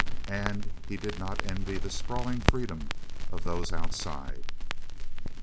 And he did not envy the sprawling freedom of those outside.